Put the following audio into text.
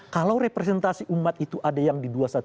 kalau representasi umat itu ada yang di dua ratus dua belas